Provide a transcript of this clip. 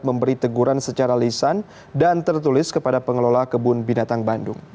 memberi teguran secara lisan dan tertulis kepada pengelola kebun binatang bandung